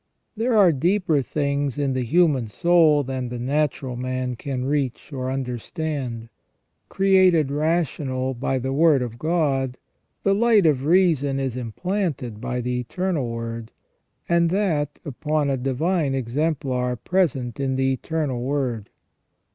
There are deeper things in the human soul than the natural man can reach or understand. Created rational by the Word of God, the light of reason is implanted by the Eternal Word, and that upon a divine exemplar present in the Eternal Word.